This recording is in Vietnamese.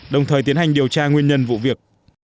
đồng thời tiến hành điều tra nguyên nhân vụ việc